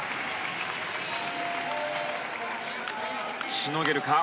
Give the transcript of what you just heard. しのげるか。